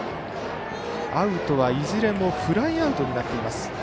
アウトはいずれもフライアウトになっています。